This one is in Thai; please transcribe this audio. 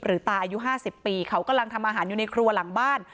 ตาอายุ๕๐ปีเขากำลังทำอาหารอยู่ในครัวหลังบ้าน